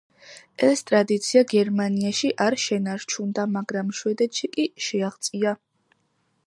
ეს ტრადიცია გერმანიაში არ შენარჩუნდა, მაგრამ შვედეთში კი შეაღწია.